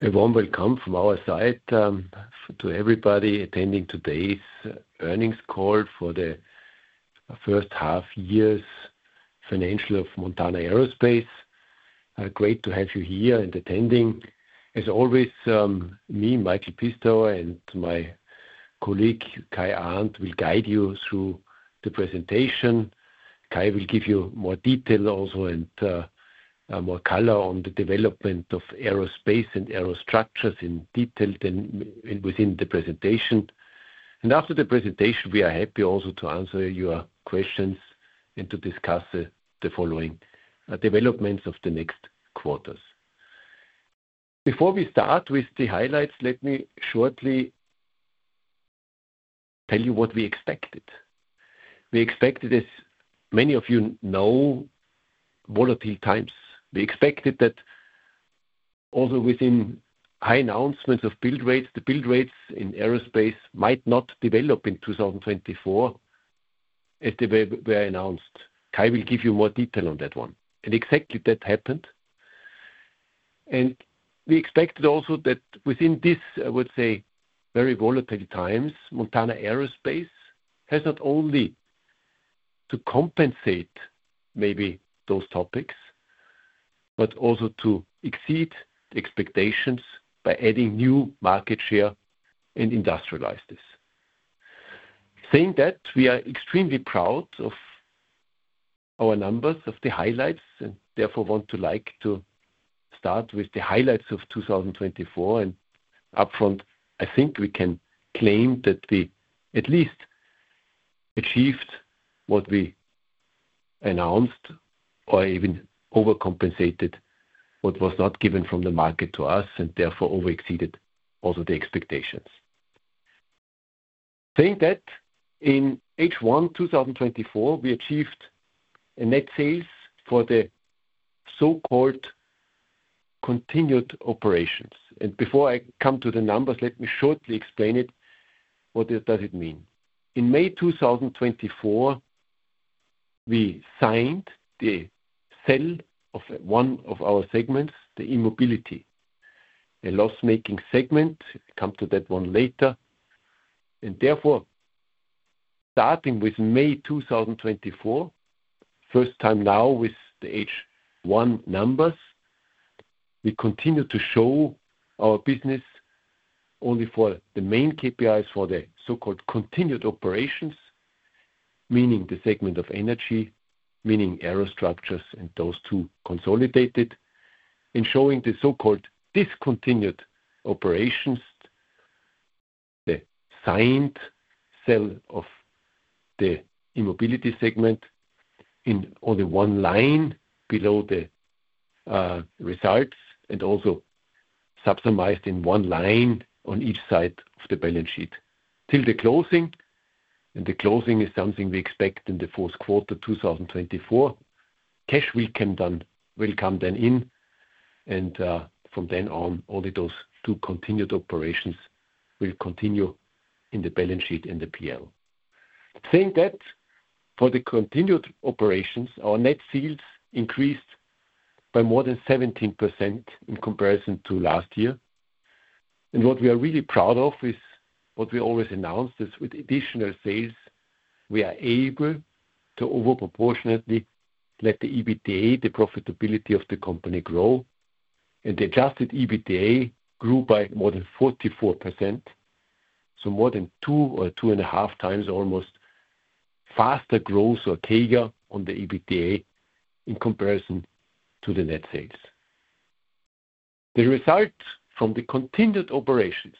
A warm welcome from our side to everybody attending today's earnings call for the first half year's financial of Montana Aerospace. Great to have you here and attending. As always, me, Michael Pistauer, and my colleague, Kai Arndt, will guide you through the presentation. Kai will give you more detail also and more color on the development of aerospace and aerostructures in detail then within the presentation. And after the presentation, we are happy also to answer your questions and to discuss the following developments of the next quarters. Before we start with the highlights, let me shortly tell you what we expected. We expected this, many of you know, volatile times. We expected that also within high announcements of build rates, the build rates in aerospace might not develop in 2024. As they were announced. Kai will give you more detail on that one, exactly that happened. We expected also that within this, I would say, very volatile times, Montana Aerospace has not only to compensate maybe those topics, but also to exceed expectations by adding new market share and industrialize this. Saying that, we are extremely proud of our numbers, of the highlights, and therefore want to like to start with the highlights of 2024 upfront, I think we can claim that we at least achieved what we announced or even overcompensated what was not given from the market to us, and therefore over exceeded also the expectations. Saying that, in H1 2024, we achieved a net sales for the so-called continued operations. Before I come to the numbers, let me shortly exP&Lain it, what does it mean? In May 2024, we signed the sale of one of our segments, the E-Mobility. A loss-making segment, Come to that one later. Therefore, starting with May 2024, first time now with the H1 numbers, we continue to show our business only for the main KPIs for the so-called continued operations, meaning the segment of energy, meaning aerostructures, and those two consolidated. In showing the so-called discontinued operations. The signed sale of the E-Mobility segment in only one line below the results, and also summarized in one line on each side of the balance sheet. Till the closing, and the closing is something we expect in the Q4 2024. Cash will come then, will come then in, and from then on, only those two continued operations will continue in the balance sheet and the P&L. Saying that, for the continued operations, our net sales increased by more than 17% in comparison to last year. And what we are really proud of is what we always announced, is with additional sales, we are able to over proportionately let the EBITDA, the profitability of the company, grow. And the adjusted EBITDA grew by more than 44%, so more than 2 or 2.5 times, almost faster growth or CAGR on the EBITDA in comparison to the net sales. The results from the continued operations,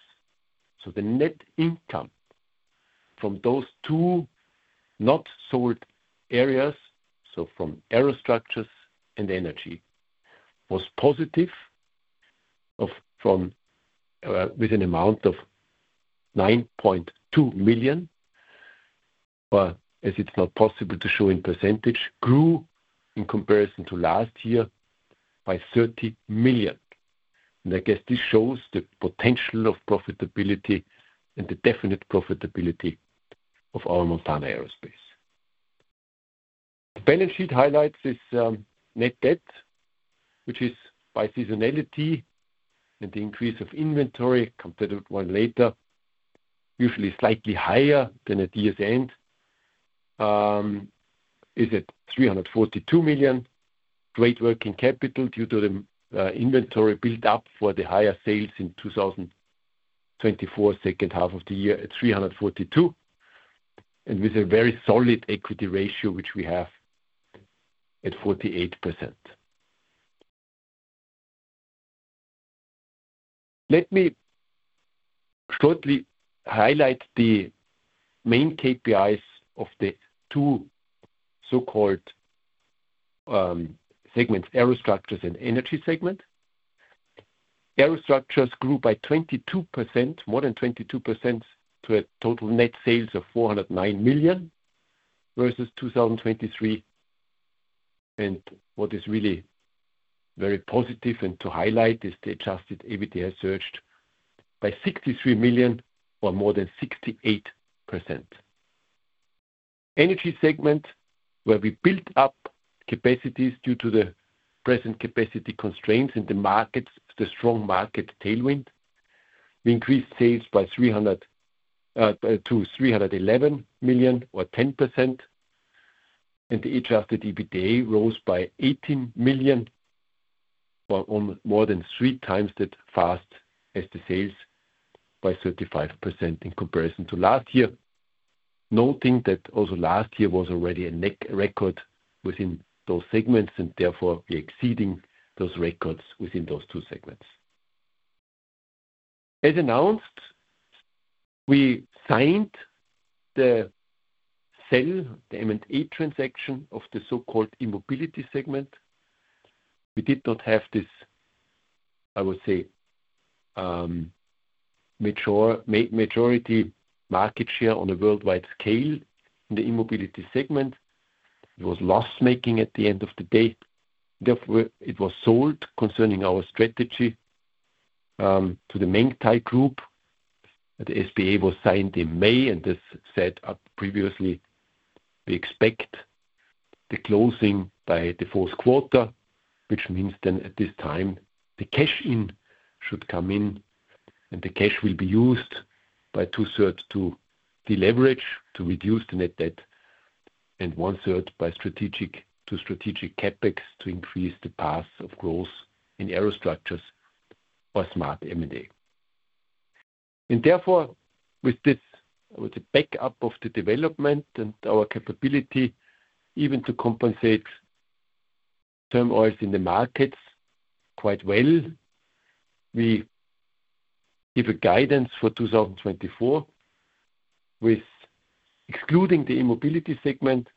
so the net income from those two not sold areas, so from Aerostructures and Energy, was positive of, from, with an amount of 9.2 million. But as it's not possible to show in percentage, grew in comparison to last year by 30 million. I guess this shows the potential of profitability and the definite profitability of our Montana Aerospace. The balance sheet highlights this, net debt, which is by seasonality and the increase of inventory, come to that one later, usually slightly higher than at year's end, is at 342 million. Great working capital due to the inventory build up for the higher sales in 2024, second half of the year at 342 million, and with a very solid equity ratio, which we have at 48%. Let me shortly highlight the main KPIs of the two so-called segments, Aerostructures and Energy segment. Aerostructures grew by 22%, more than 22%, to a total net sales of 409 million versus 2023. What is really very positive and to highlight is the adjusted EBITDA surged by 63 million or more than 68%. Energy segment, where we built up capacities due to the present capacity constraints in the markets, the strong market tailwind. We increased sales by 300-311 million or 10%, and the adjusted EBITDA rose by 18 million, or on more than 3 times that fast as the sales, by 35% in comparison to last year. Noting that also last year was already a record within those segments, and therefore we're exceeding those records within those two segments. As announced, we signed the sale, the M&A transaction of the so-called E-Mobility segment. We did not have this, I would say, mature majority market share on a worldwide scale in the E-Mobility segment. It was loss-making at the end of the day. Therefore, it was sold concerning our strategy to the Mengtai Group. The SPA was signed in May, and as said previously, we expect the closing by the Q4 which means then at this time, the cash in should come in, and the cash will be used by 2/3 to deleverage, to reduce the net debt, and 1/3 by strategic, to strategic CapEx to increase the path of growth in Aerostructures or smart M&A. And therefore, with this, with the backup of the development and our capability even to compensate turmoils in the markets quite well, we give a guidance for 2024, with excluding the E-Mobility segment.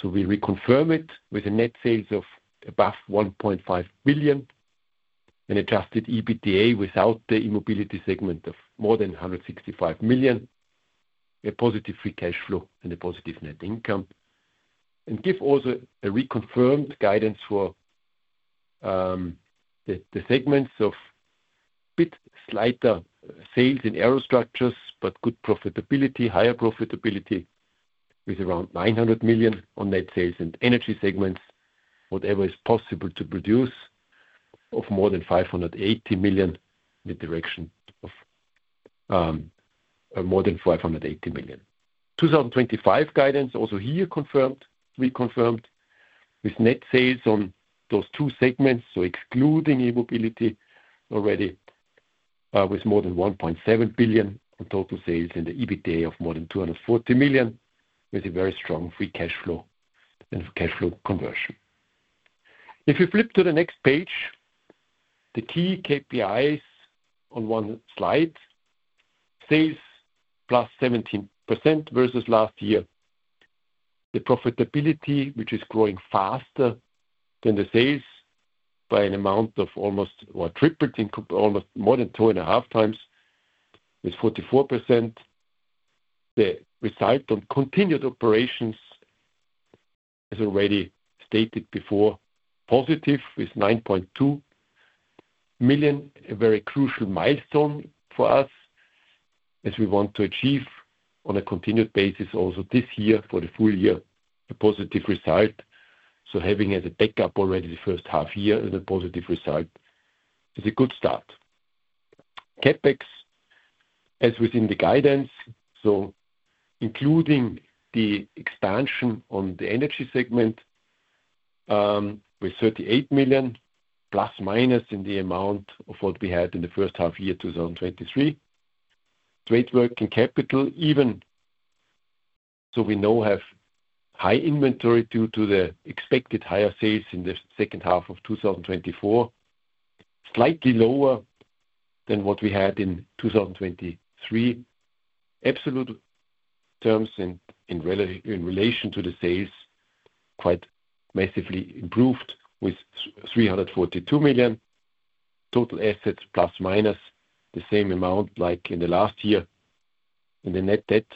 So we reconfirm it with net sales of above 1.5 billion and Adjusted EBITDA without the E-Mobility segment of more than 165 million, a positive free cash flow and a positive net income. We give also a reconfirmed guidance for the segments of a bit slighter sales in Aerostructures, but good profitability, higher profitability, with around 9 million on net sales and energy segments, whatever is possible to produce of more than 580 million, the direction of more than 580 million. 2025 guidance, also here confirmed, reconfirmed, with net sales on those two segments, so excluding E-Mobility already, with more than 1.7 billion in total sales and the EBITDA of more than 240 million, with a very strong free cash flow and cash flow conversion. If you flip to the next page, the key KPIs on one slide, sales 17% versus last year. The profitability, which is growing faster than the sales by an amount of almost or triP&Led, in almost more than two and a half times, is 44%. The result on continued operations, as already stated before, positive, is 9.2 million. A very crucial milestone for us, as we want to achieve on a continued basis also this year, for the full year, a positive result. So having as a backup already the first half year as a positive result is a good start. CapEx, as within the guidance, so including the expansion on the Energy segment, with 38 million, ± in the amount of what we had in the first half year, 2023. Trade working capital, even so we now have high inventory due to the expected higher sales in the second half of 2024, slightly lower than what we had in 2023. In absolute terms, in relation to the sales, quite massively improved with 342 million. Total assets, P&Lus minus the same amount like in the last year. And the net debt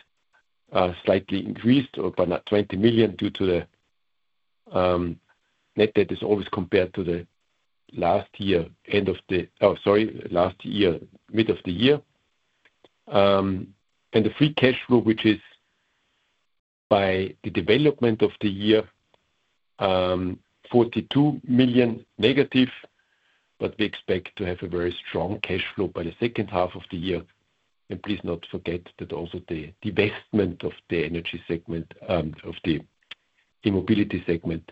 slightly increased by 20 million due to the net debt is always compared to the last year, end of the year. Last year, mid of the year. And the free cash flow, which is by the development of the year, -42 million, but we expect to have a very strong cash flow by the second half of the year please do not forget that also the divestment of the energy segment of the E-Mobility segment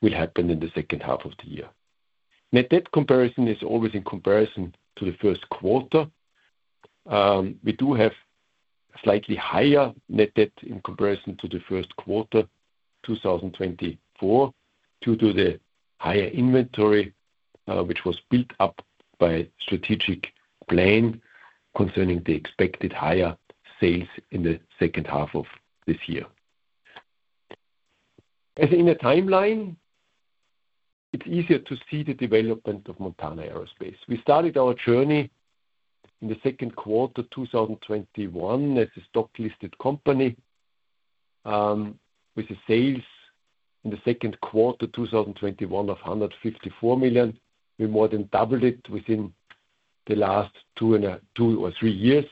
will happen in the second half of the year. Net debt comparison is always in comparison to the Q1. We do have slightly higher net debt in comparison to the Q1, 2024, due to the higher inventory, which was built up by strategic P&Lan concerning the expected higher sales in the second half of this year. As in a timeline, it's easier to see the development of Montana Aerospace we started our journey in the Q2 2021 as a stock-listed company with the sales in the Q2 2021 of 154 million. We more than doubled it within... the last two or three years.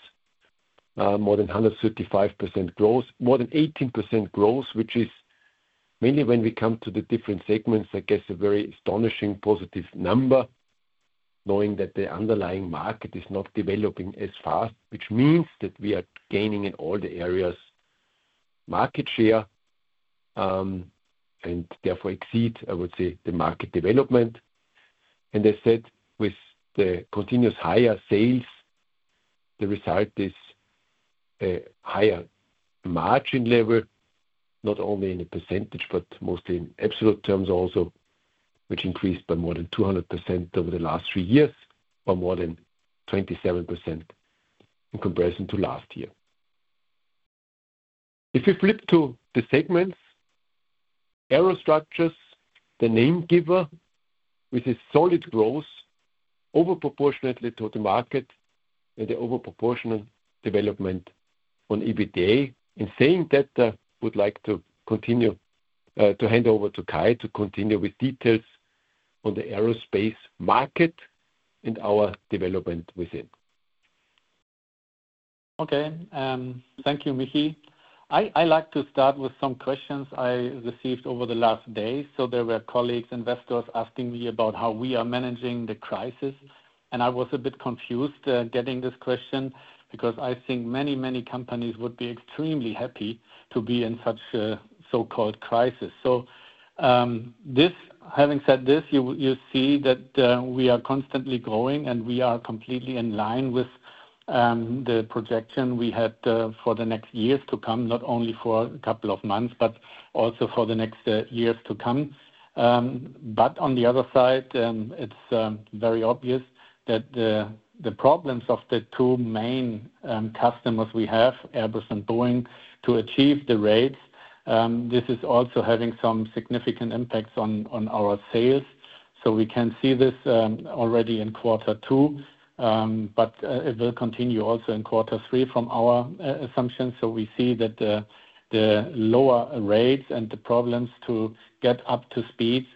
More than 155% growth, more than 18% growth, which is mainly when we come to the different segments, I guess, a very astonishing positive number, knowing that the underlying market is not developing as fast, which means that we are gaining in all the areas market share, and therefore exceed, I would say, the market development. And as said, with the continuous higher sales, the result is a higher margin level, not only in the percentage, but mostly in absolute terms also, which increased by more than 200% over the last three years, or more than 27% in comparison to last year. If you flip to the segments, Aerostructures, the name giver, with a solid growth, over proportionately to the market and the over proportional development on EBITDA. In saying that, I would like to continue to hand over to Kai to continue with details on the aerospace market and our development within. Okay, thank you, Michi. I like to start with some questions I received over the last day so there were colleagues, investors, asking me about how we are managing the crisis, and I was a bit confused, getting this question because I think many, many companies would be extremely happy to be in such a so-called crisis having said this, you see that, we are constantly growing and we are comP&Letely in line with, the projection we had, for the next years to come, not only for a couP&Le of months, but also for the next, years to come. But on the other side, it's very obvious that the problems of the two main customers we have, Airbus and Boeing, to achieve the rates, this is also having some significant impacts on our sales. So we can see this already in Q2, but it will continue also in Q3 from our assumptions so we see that the lower rates and the problems to get up to speed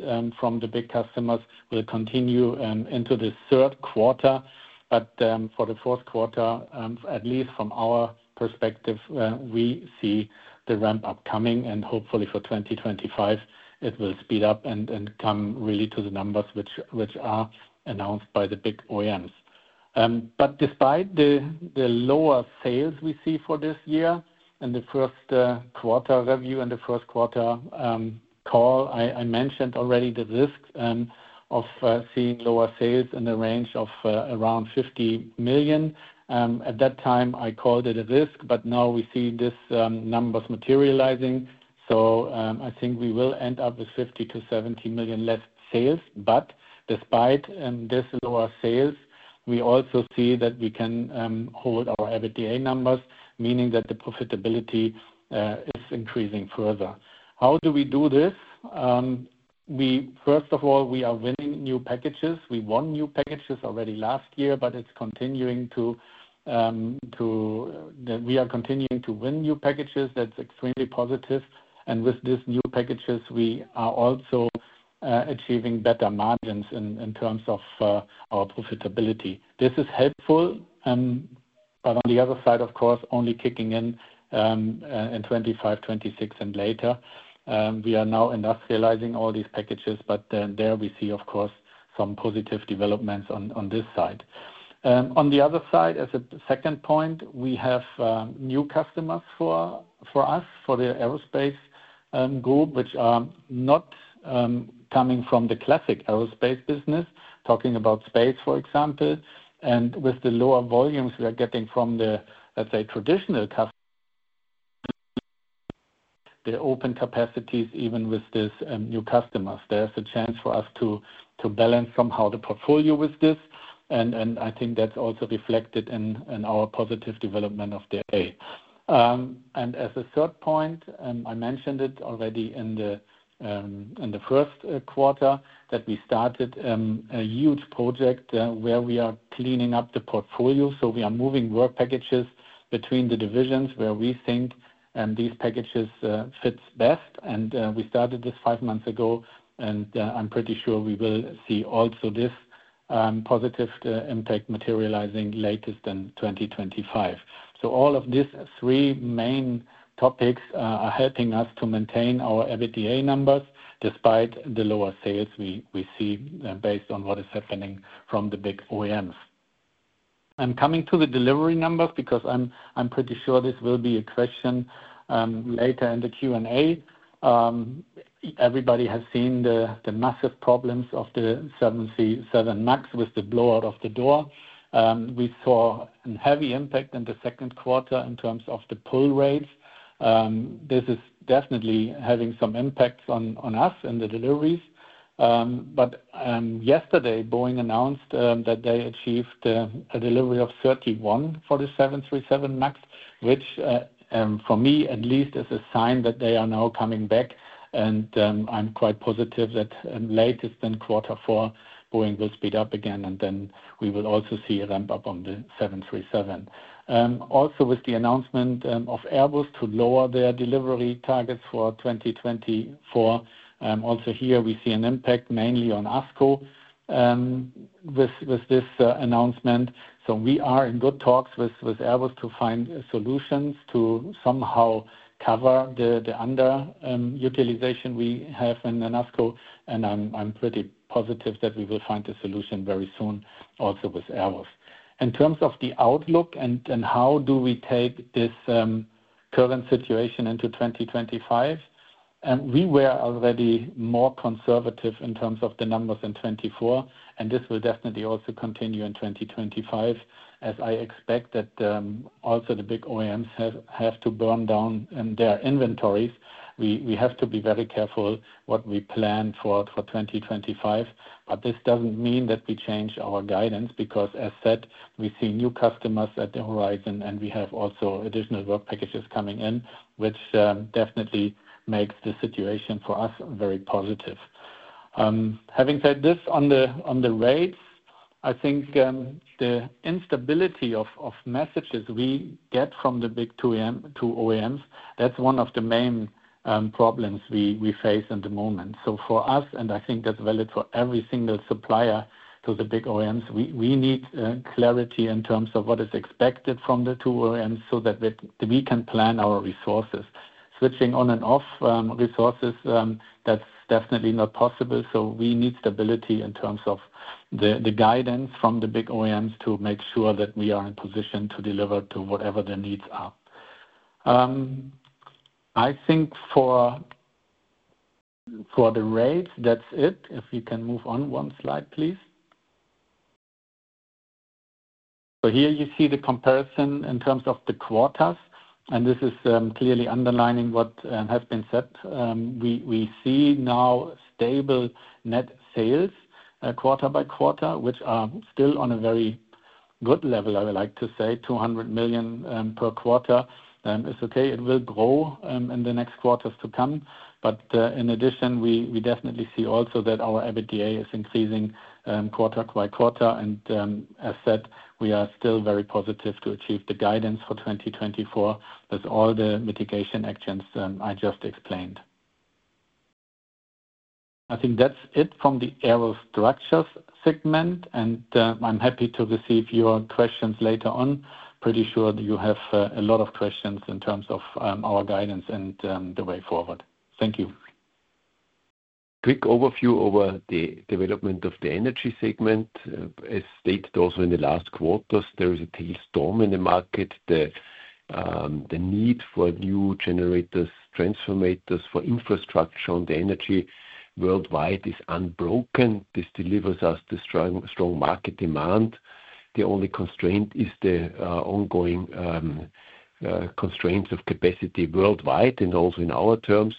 from the big customers will continue into the Q3. But for the Q4, at least from our perspective, we see the ramp upcoming, and hopefully for 2025, it will speed up and come really to the numbers which are announced by the big OEMs. But despite the lower sales we see for this year, in the Q1 review and the Q1 call, I mentioned already the risks of seeing lower sales in the range of around 50 million. At that time, I called it a risk, but now we see these numbers materializing. So, I think we will end up with 50 million-70 million less sales but despite these lower sales, we also see that we can hold our EBITDA numbers, meaning that the profitability is increasing further. How do we do this? First of all, we are winning new packages we won new packages already last year, but it's continuing to win new packages we are continuing to win new packages that's extremely positive. And with these new packages, we are also achieving better margins in terms of our profitability. This is helpful, but on the other side, of course, only kicking in in 2025, 2026 and later. We are now industrializing all these packages, but then there we see, of course, some positive developments on this side. On the other side, as a second point, we have new customers for us, for the aerospace group, which are not coming from the classic aerospace business, talking about space, for examP&Le. And with the lower volumes we are getting from the, let's say, traditional customer, the open capacities, even with this new customers, there's a chance for us to balance somehow the portfolio with this, and I think that's also reflected in our positive development of the Aeros. And as a third point, I mentioned it already in the Q1, that we started a huge project, where we are cleaning up the portfolio so we are moving work packages between the divisions where we think these packages fits best and we started this five months ago, and I'm pretty sure we will see also this positive impact materializing latest in 2025. So all of these three main topics are helping us to maintain our EBITDA numbers despite the lower sales we see based on what is happening from the big OEMs. And coming to the delivery numbers, because I'm pretty sure this will be a question later in the Q&A. Everybody has seen the massive problems of the 737 MAX with the blow out of the door. We saw a heavy impact in the Q2 in terms of the pull rates. This is definitely having some impacts on us and the deliveries. But yesterday, Boeing announced that they achieved a delivery of 31 for the 737 MAX, which for me at least, is a sign that they are now coming back, and I'm quite positive that latest in Q4, Boeing will speed up again, and then we will also see a ramp-up on the 737. Also with the announcement of Airbus to lower their delivery targets for 2024, also here we see an impact, mainly on ASCO. With this announcement. So we are in good talks with Airbus to find solutions to somehow cover the under utilization we have in ASCO, and I'm pretty positive that we will find a solution very soon also with Aeros. In terms of the outlook and how do we take this current situation into 2025, and we were already more conservative in terms of the numbers in 2024, and this will definitely also continue in 2025, as I expect that also the big OEMs have to burn down their inventories. We have to be very careful what we P&Lan for 2025, but this doesn't mean that we change our guidance, because as said, we see new customers at the horizon, and we have also additional work packages coming in, which definitely makes the situation for us very positive. Having said this, on the rates, I think, the instability of messages we get from the big two OEMs, that's one of the main problems we face at the moment so for us, and I think that's valid for every single supP&Lier to the big OEMs, we need clarity in terms of what is expected from the two OEMs so that we can P&Lan our resources. Switching on and off resources, that's definitely not possible, so we need stability in terms of the guidance from the big OEMs to make sure that we are in position to deliver to whatever their needs are. I think for the rates, that's it. If you can move on one slide, P&Lease. So here you see the comparison in terms of the quarters, and this is clearly underlining what has been said. We see now stable net sales quarter by quarter, which are still on a very good level, I would like to say, 200 million per quarter. It's okay it will grow in the next quarters to come. But in addition, we definitely see also that our EBITDA is increasing quarter by quarter, and as said, we are still very positive to achieve the guidance for 2024 with all the mitigation actions I just exP&Lained. I think that's it from the Aerostructures segment, and I'm happy to receive your questions later on. Pretty sure you have a lot of questions in terms of our guidance and the way forward. Thank you. Quick overview over the development of the energy segment. As stated also in the last quarters, there is a tailwind in the market. The need for new generators, transformers for infrastructure on the energy worldwide is unbroken this delivers us the strong, strong market demand. The only constraint is the ongoing constraints of capacity worldwide and also in our terms.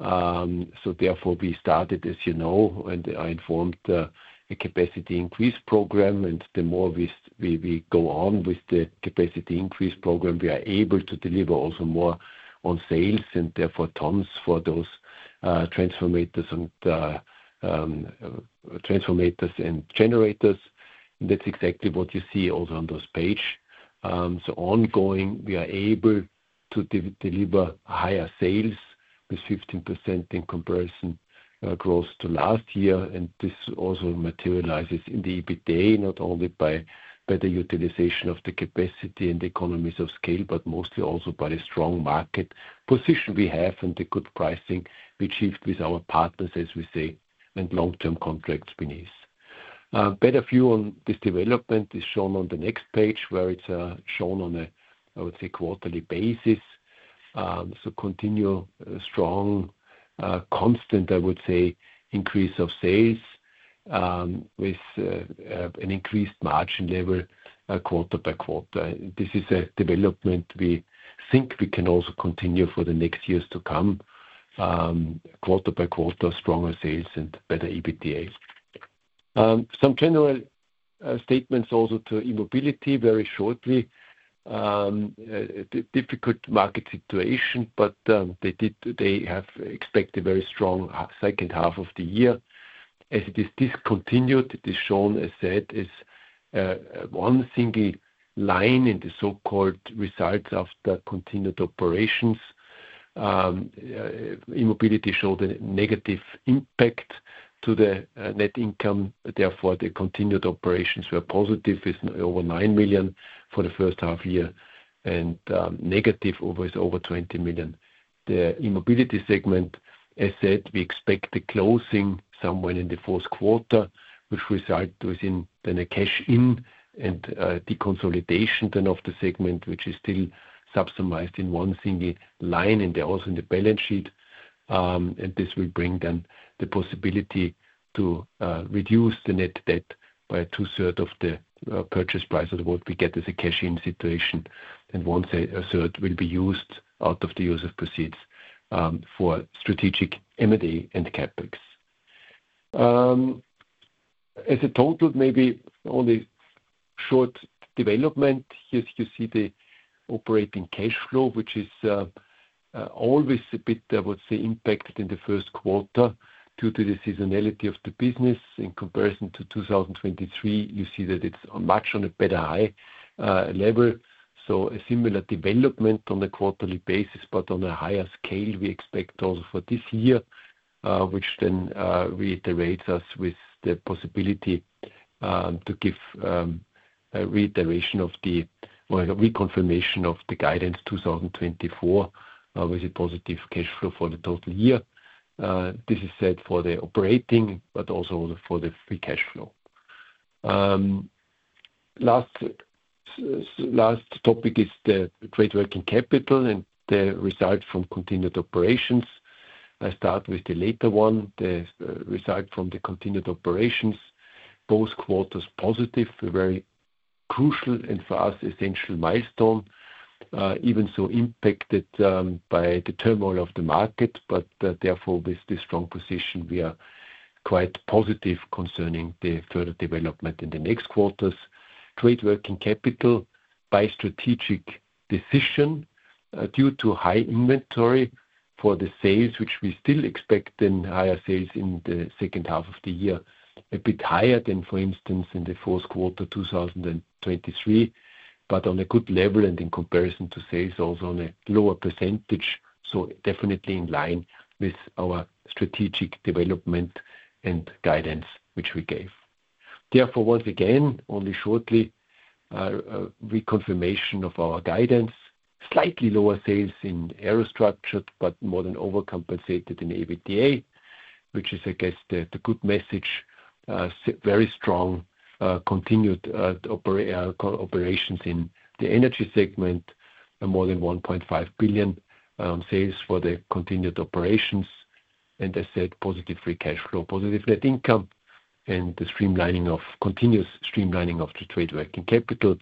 So therefore, we started, as you know, and I informed, a capacity increase program, and the more we go on with the capacity increase program, we are able to deliver also more on sales and therefore tons for those, transformers and transformers and generators. That's exactly what you see also on this page. So ongoing, we are able to deliver higher sales with 15% in comparison, growth to last year, and this also materializes in the EBITDA, not only by better utilization of the capacity and the economies of scale, but mostly also by the strong market position we have and the good pricing we achieved with our partners, as we say, and long-term contracts beneath. Better view on this development is shown on the next page, where it's shown on a, I would say, quarterly basis. So continue strong, constant, I would say, increase of sales, with an increased margin level, quarter by quarter this is a development we think we can also continue for the next years to come, quarter by quarter, stronger sales and better EBITDA. Some general statements also to E-Mobility, very shortly. A difficult market situation, but they have expected a very strong half, second half of the year. As it is discontinued, it is shown as said, one single line in the so-called results of the Continued Operations. E-Mobility showed a negative impact to the Net Income therefore, the Continued Operations were positive with over 9 million for the first half year, and negative over 20 million. The E-Mobility segment, as said, we expect the closing somewhere in the Q4, which result within the cash in and the consolidation then of the segment, which is still summarized in one single line, and then also in the balance sheet. And this will bring then the possibility to reduce the net debt by 2/3s of the purchase price of what we get as a cash in situation, and 1/3 will be used out of the use of proceeds for strategic M&A and CapEx. As a total, maybe only short development. Here you see the operating cash flow, which is always a bit, I would say, impacted in the Q1 due to the seasonality of the business in comparison to 2023, you see that it's much on a better high level. So a similar development on a quarterly basis, but on a higher scale, we expect also for this year, which then reiterates us with the possibility to give... A reiteration of the, or a reconfirmation of the guidance for 2024, with a positive cash flow for the total year. This is said for the operating, but also for the Free Cash Flow. Last topic is the Trade Working Capital and the results from Continued Operations. I start with the latter one, the result from the Continued Operations. Both quarters positive, very crucial, and for us, essential milestone. Even so impacted by the turmoil of the market, but therefore, with the strong position, we are quite positive concerning the further development in the next quarters. Trade Working Capital by strategic decision, due to high inventory for the sales, which we still expect in higher sales in the second half of the year, a bit higher than, for instance, in the Q4 2023, but on a good level, and in comparison to sales, also on a lower percentage, so definitely in line with our strategic development and guidance, which we gave. Therefore, once again, only shortly, a reconfirmation of our guidance, slightly lower sales in Aerostructures, but more than overcompensated in EBITDA, which is, I guess, the good message. Very strong continued operations in the Energy segment, and more than 1.5 billion sales for the Continued Operations. And I said positive Free Cash Flow, positive Net Income, and the continuous streamlining of the Trade Working Capital.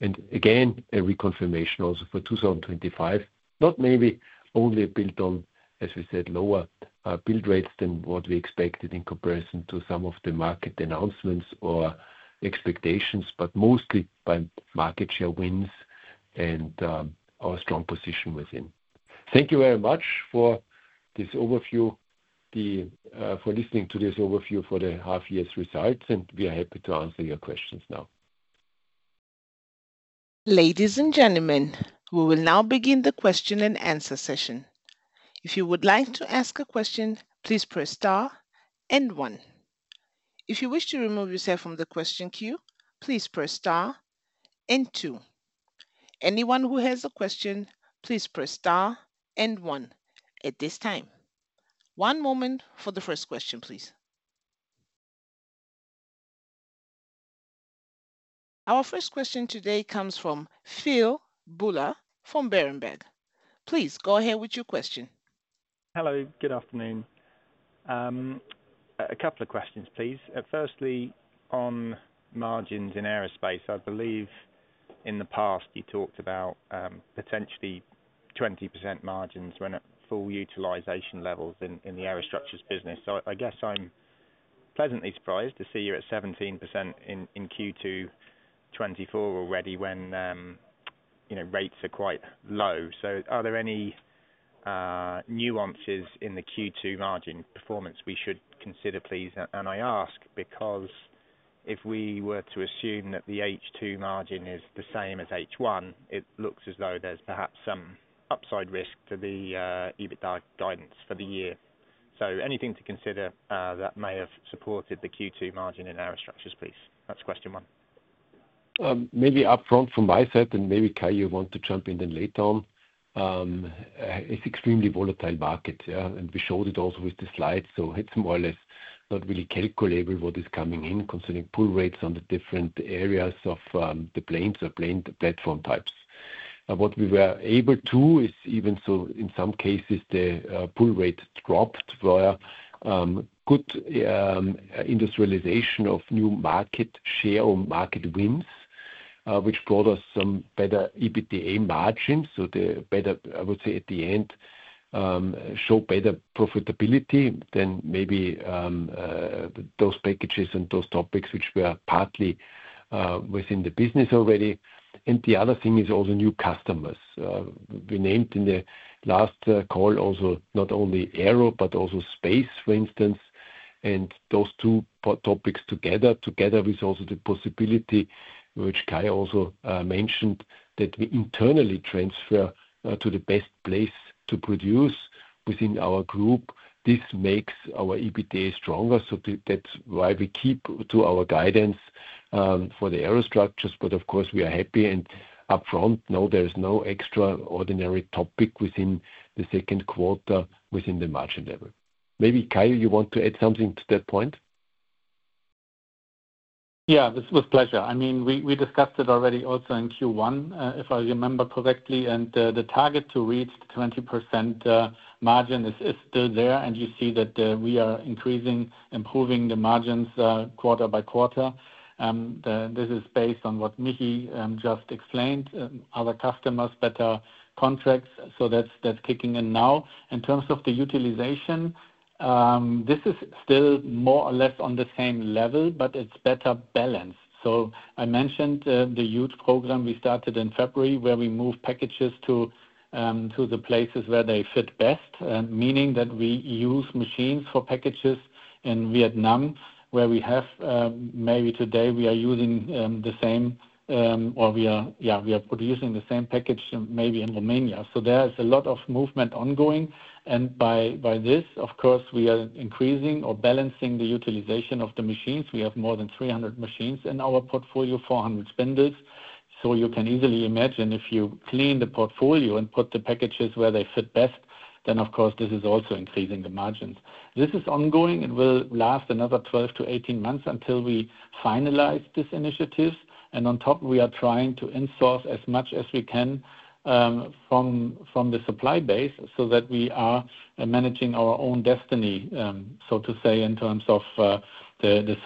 Again, a reconfirmation also for 2025. Not maybe only built on, as we said, lower build rates than what we expected in comparison to some of the market announcements or expectations, but mostly by market share wins and our strong position within. Thank you very much for this overview, for listening to this overview for the half-year's results, and we are happy to answer your questions now. Ladies and gentlemen, we will now begin the question and answer session. If you would like to ask a question, P&Lease press star and one. If you wish to remove yourself from the question queue, P&Lease press star and two. Anyone who has a question, P&Lease press star and one at this time. One moment for the first question, P&Lease. Our first question today comes from Philip Buller from Berenberg. P&Lease go ahead with your question. Hello, good afternoon. A couP&Le of questions, P&Lease firstly, on margins in Aerospace, I believe in the past you talked about potentially 20% margins when at full utilization levels in the Aerostructures business so I guess I'm P&Leasantly surprised to see you're at 17% in Q2 2024 already when you know, rates are quite low so are there any nuances in the Q2 margin performance we should consider, P&Lease? And I ask because? If we were to assume that the H2 margin is the same as H1, it looks as though there's perhaps some upside risk to the EBITDA guidance for the year. So anything to consider that may have supported the Q2 margin in Aerostructures, P&Lease? That's question one. Maybe upfront from my side, and maybe, Kai, you want to jump in then later on. It's extremely volatile market, yeah, and we showed it also with the slides, so it's more or less not really calculable what is coming in concerning pull rates on the different areas of the P&Lanes or P&Lane P&Latform types. What we were able to is, even so in some cases, the pull rate dropped via good industrialization of new market share or market wins. Which brought us some better EBITDA margins so the better, I would say, at the end, show better profitability than maybe those packages and those topics which were partly within the business already. And the other thing is also new customers. We named in the last call also, not only Aero, but also Space, for instance. And those two topics together, together with also the possibility, which Kai also mentioned, that we internally transfer to the best P&Lace to produce within our group. This makes our EBITDA stronger, so that's why we keep to our guidance for the Aerostructures but of course, we are happy and upfront, no, there is no extraordinary topic within the Q2, within the margin level. Maybe, Kai, you want to add something to that point? Yeah, with P&Leasure. I mean, we discussed it already also in Q1, if I remember correctly, and the target to reach the 20% margin is still there, and you see that we are increasing, improving the margins quarter by quarter. This is based on what Michi just exP&Lained, our customers, better contracts, so that's kicking in now. In terms of the utilization. This is still more or less on the same level, but it's better balanced so I mentioned the huge program we started in February, where we moved packages to the P&Laces where they fit best, meaning that we use machines for packages in Vietnam, where we have, maybe today we are using the same, or we are yeah, we are producing the same package maybe in Romania so there is a lot of movement ongoing, and by this, of course, we are increasing or balancing the utilization of the machines we have more than 300 machines in our portfolio, 400 spindles. So you can easily imagine if you clean the portfolio and put the packages where they fit best, then, of course, this is also increasing the margins. This is ongoing and will last another 12-18 months until we finalize this initiative, and on top, we are trying to in-source as much as we can, from the supP&Ly base, so that we are managing our own destiny, so to say, in terms of the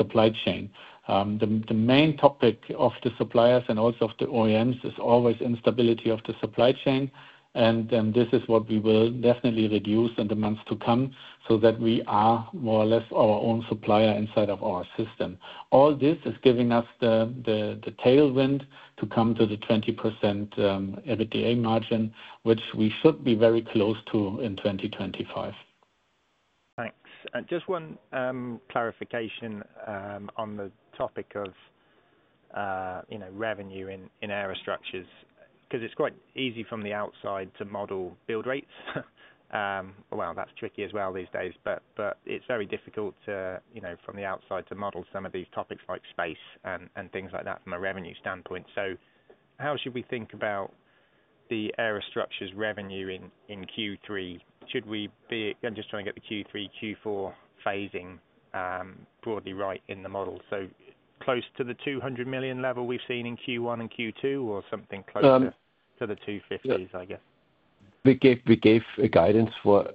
supP&Ly chain. The main topic of the supP&Liers and also of the OEMs is always instability of the supP&Ly chain, and this is what we will definitely reduce in the months to come, so that we are more or less our own supP&Lier inside of our system. All this is giving us the tailwind to come to the 20% EBITDA margin, which we should be very close to in 2025. Thanks. And just one clarification on the topic of you know revenue in Aerostructures. Because it's quite easy from the outside to model build rates. Well, that's tricky as well these days but it's very difficult to you know from the outside to model some of these topics like space and things like that from a revenue standpoint so how should we think about the Aerostructures revenue in Q3? Should we be? I'm just trying to get the Q3, Q4 phasing broadly right in the model so close to the 200 million level we've seen in Q1 and Q2, or something closer- Um- to the 250s, I guess. We gave a guidance for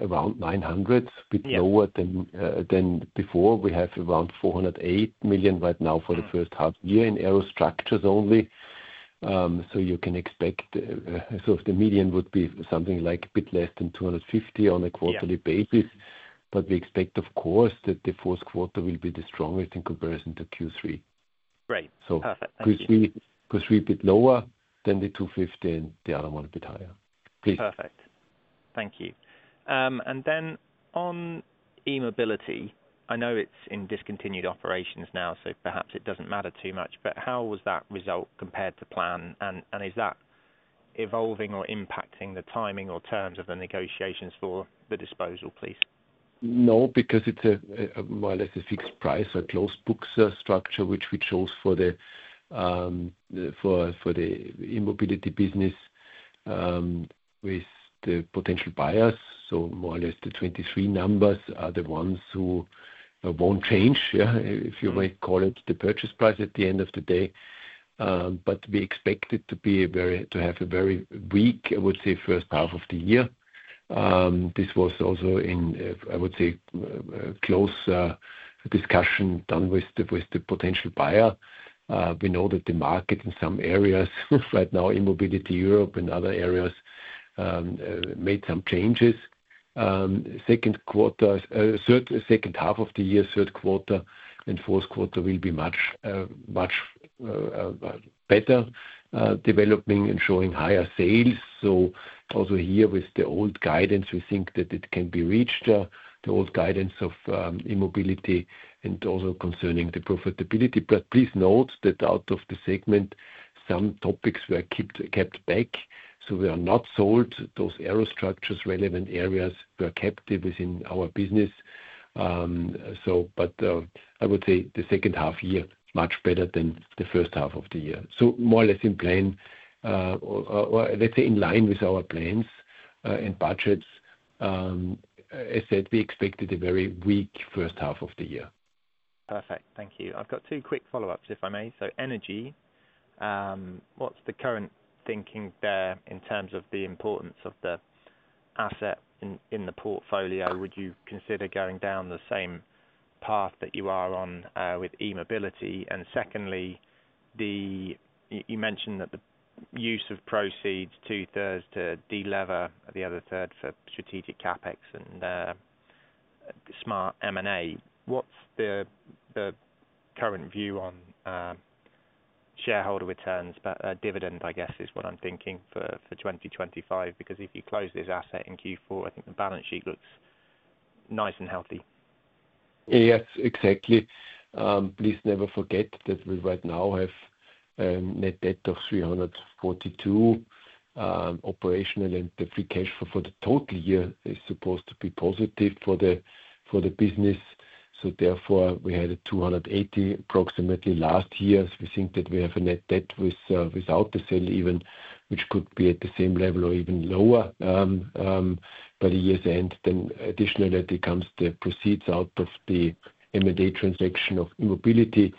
around 900. Yeah. Bit lower than before we have around 408 million right now for the first half year in Aerostructures only. So you can expect the median would be something like a bit less than 250 on a quarterly- Yeah... basis, but we expect, of course, that the Q4 will be the strongest in comparison to Q3. Great. So- Perfect. Thank you. Q3, Q3 a bit lower, then the 250 and the other one a bit higher. P&Lease. Perfect. Thank you. And then on E-Mobility, I know it's in discontinued operations now, so perhaps it doesn't matter too much, but how was that result compared to P&Lan? And is that evolving or impacting the timing or terms of the negotiations for the disposal, P&Lease? No, because it's a more or less a fixed price, a closed books structure, which we chose for the E-Mobility business with the potential buyers so more or less, the 2023 numbers are the ones who won't change, yeah, if you may call it the purchase price at the end of the day. But we expect it to be very weak, I would say, first half of the year. This was also in, I would say, close discussion done with the potential buyer. We know that the market in some areas right now, E-Mobility Europe and other areas, made some changes. Q2, second half of the year, Q3 and Q4 will be much, much better, developing and showing higher sales. So also here, with the old guidance, we think that it can be reached, the old guidance of E-Mobility and also concerning the profitability but P&Lease note that out of the segment, some topics were kept, kept back, so we are not sold those Aerostructures relevant areas were kept within our business. So but, I would say the second half year, much better than the first half of the year so more or less in P&Lan, or, or let's say in line with our P&Lans, and budgets. As said, we expected a very weak first half of the year. Perfect. Thank you. I've got two quick follow-ups, if I may so energy, what's the current thinking there in terms of the importance of the asset in the portfolio? Would you consider going down the same path that you are on with E-Mobility? And secondly, you mentioned that the use of proceeds, 2/3s to delever, the other third for strategic CapEx and smart M&A. What's? the current view on shareholder returns? but dividend, I guess, is what I'm thinking for 2025, because if you close this asset in Q4, I think the balance sheet looks nice and healthy. Yes, exactly. P&Lease never forget that we right now have net debt of 342 million operational, and the free cash flow for the total year is supposed to be positive for the business. Therefore, we had 280 million approximately last year we think that we have a net debt without the sale even, which could be at the same level or even lower by the year's end additionally, comes the proceeds out of the M&A transaction of E-Mobility.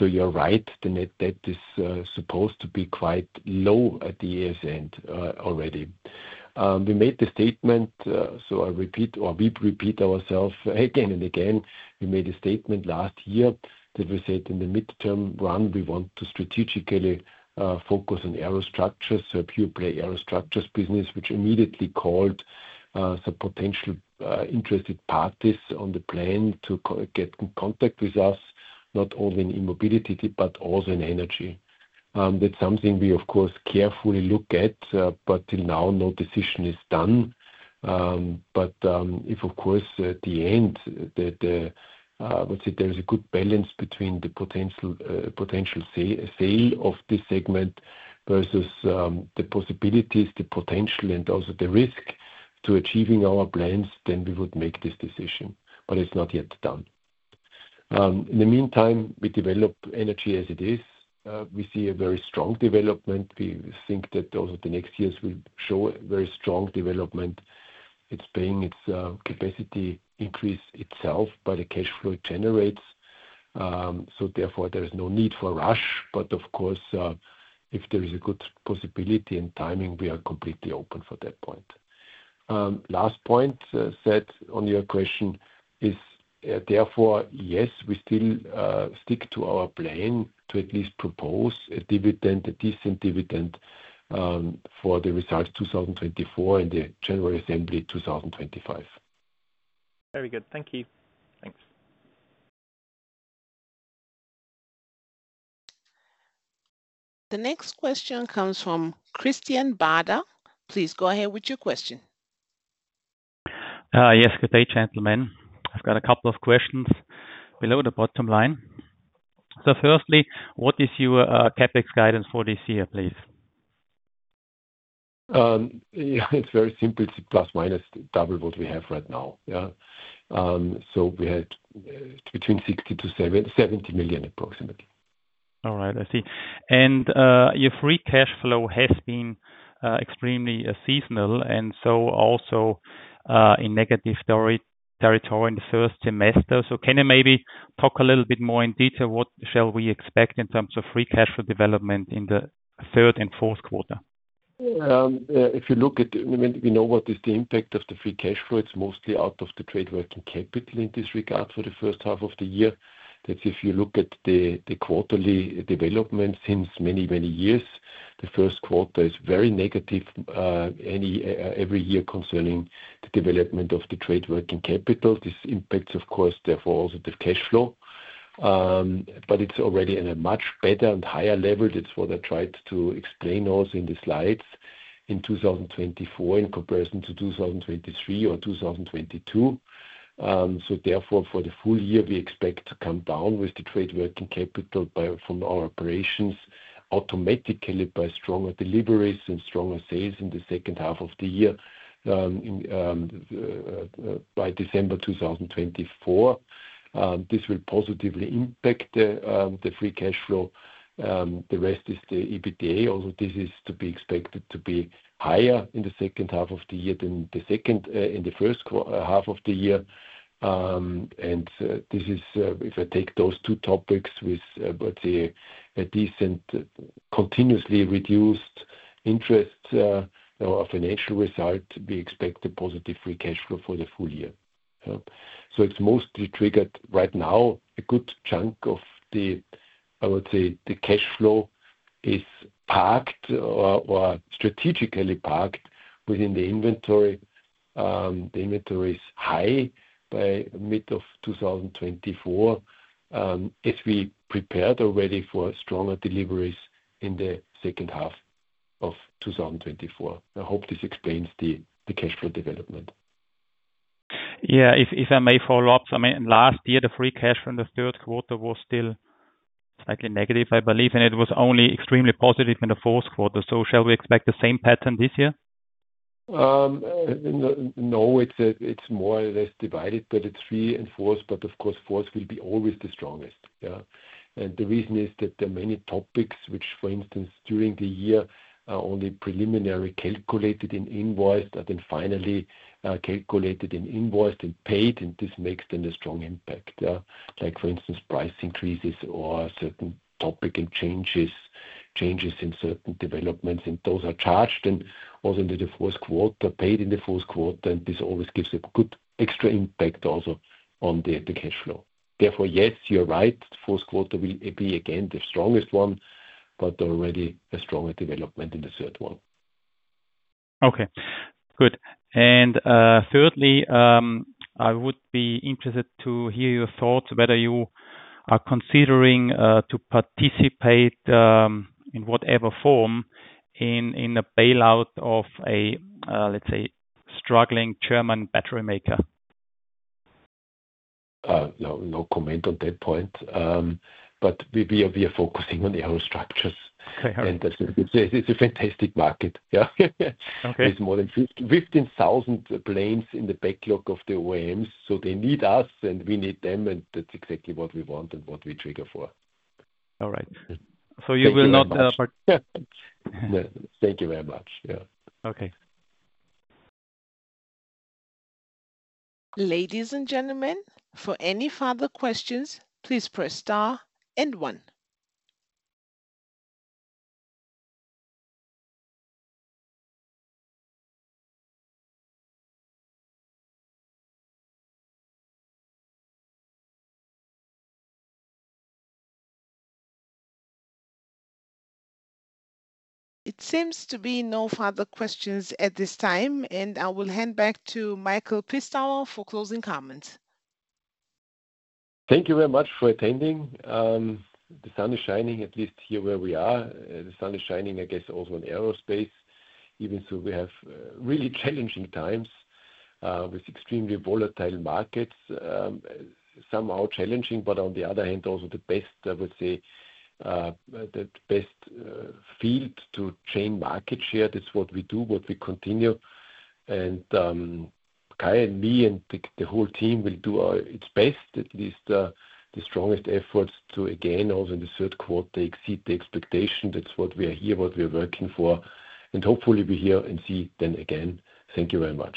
You're right, the net debt is supposed to be quite low at the year's end already. We made the statement, so I repeat, or we repeat ourself again and again, we made a statement last year that we said in the midterm run, we want to strategically focus on Aerostructures so a pure P&Lay Aerostructures business, which immediately called the potential interested parties on the P&Lane to get in contact with us, not only in E-Mobility, but also in Energy. That's something we of course carefully look at, but till now, no decision is done. But if, of course, at the end that I would say there is a good balance between the potential potential sale of this segment versus the possibilities, the potential, and also the risk to achieving our P&Lans, then we would make this decision, but it's not yet done. In the meantime, we develop Energy as it is. We see a very strong development we think that also the next years will show a very strong development. It's paying its capacity increase itself, but the cash flow generates. So therefore, there is no need for rush, but of course, if there is a good possibility and timing, we are comP&Letely open for that point. Last point said on your question is, therefore, yes, we still stick to our P&Lan to at least propose a dividend, a decent dividend, for the results 2024 and the general assembly 2025. Very good. Thank you. Thanks. The next question comes from Christian Bader. P&Lease go ahead with your question. Yes, good day, gentlemen. I've got a couP&Le of questions below the bottom line. So firstly, what is your CapEx guidance for this year, P&Lease? Yeah, it's very simP&Le. It's P&Lus minus double what we have right now. Yeah. So we had between 60-70 million, approximately. All right, I see. And, your Free Cash Flow has been extremely seasonal, and so also in negative territory in the first semester so can you maybe talk a little bit more in detail, what shall we expect in terms of Free Cash Flow development in the Q3 and Q4? If you look at, I mean, we know what is the impact of the Free Cash Flow it's mostly out of the Trade Working Capital in this regard for the first half of the year. That if you look at the quarterly development since many, many years, the Q1 is very negative every year concerning the development of the Trade Working Capital this impacts, of course, therefore, also the cash flow. But it's already in a much better and higher level that's what I tried to exP&Lain also in the slides, in 2024 in comparison to 2023 or 2022. So therefore, for the full year, we expect to come down with the trade working capital by, from our operations, automatically by stronger deliveries and stronger sales in the second half of the year, by December 2024. This will positively impact the free cash flow. The rest is the EBITDA, although this is to be expected to be higher in the second half of the year than in the first half of the year. And, this is, if I take those two topics with what they, a decent, continuously reduced interest, or financial result, we expect a positive free cash flow for the full year. So it's mostly triggered right now, a good chunk of the, I would say, the cash flow is parked or, or strategically parked within the inventory. The inventory is high by mid of 2024, as we prepared already for stronger deliveries in the second half of 2024 i hope this exP&Lains the, the cash flow development. Yeah. If I may follow up, I mean, last year, the free cash from the Q3 was still slightly negative, I believe, and it was only extremely positive in the Q4 so shall we expect the same pattern this year? No, it's more or less divided, but it's third and fourth, but of course, fourth will be always the strongest. Yeah. And the reason is that there are many topics which, for instance, during the year, are only preliminary calculated and invoiced, and then finally calculated and invoiced and paid, and this makes then a strong impact. Like, for instance, price increases or certain topic and changes. Changes in certain developments, and those are charged and also in the Q4, paid in the Q4, and this always gives a good extra impact also on the cash flow. Therefore, yes, you're right, Q4 will be again the strongest one, but already a stronger development in the third one. Okay, good. And, thirdly, I would be interested to hear your thoughts, whether you are considering to participate in whatever form in a bailout of a, let's say, struggling German battery maker? No, no comment on that point. But we are focusing on the Aerostructures. I heard. And it's a fantastic market. Yeah. Okay. With more than 15,000 P&Lanes in the backlog of the OEM so they need us, and we need them, and that's exactly what we want and what we trigger for. All right. Thank you very much. So you will not part- Yeah. Thank you very much. Yeah. Okay. Ladies and gentlemen, for any further questions, P&Lease press star and one. It seems to be no further questions at this time, and I will hand back to Michael Pistauer for closing comments. Thank you very much for attending. The sun is shining, at least here where we are. The sun is shining, I guess, also in aerospace, even so, we have really challenging times with extremely volatile markets, somehow challenging, but on the other hand, also the best, I would say, the best field to gain market share that's what we do, what we continue. Kai and me and the whole team will do our, its best, at least, the strongest efforts to, again, also in the Q3, exceed the expectation that's what we are here, what we're working for, and hopefully, we hear and see then again. Thank you very much.